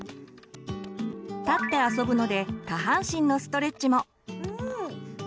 立って遊ぶので下半身のストレッチも。